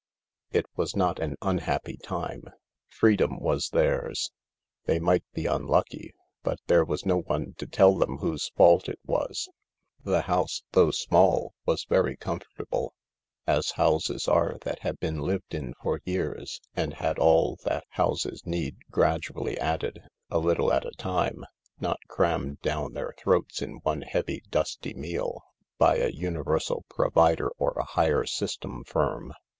It was not an unhappy time. Freedom was theirs. They might be unlucky, but there was no one to tell them whose fault it was. The house, though small, was very THE LARK 41 comfortable, as houses are that have been lived in for years and had all that houses need gradually added, a little at a time — not crammed down their throats in one heavy, dusty meal, by a universal provider or a hire system firm.